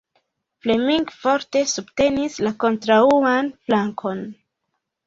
Fleming forte subtenis la kontraŭan flankon.